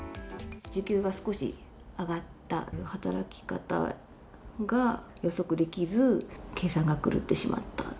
時給が少し上がった、働き方が予測できず、計算が狂ってしまった。